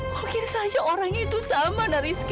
mungkin saja orangnya itu sama narizky